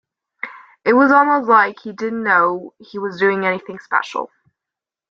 It was almost like he didn't know he was doing anything special.